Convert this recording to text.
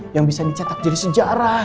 yang bisa dicetak jadi sejarah